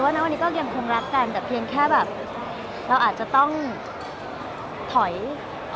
วันนี้ก็ยังคงรักกันแต่แค่แบบอาจจะต้องถอยไม่ได้